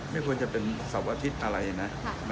ไม่ควรจะเป็นเสาร์อาทิตย์อะไรนะ